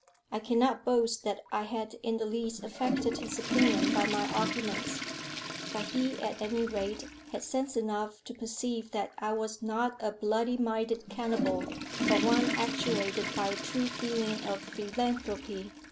I cannot boast that I had in the least affected his opinion by my arguments; but he at any rate had sense enough to perceive that I was not a bloody minded cannibal, but one actuated by a true feeling of philanthropy.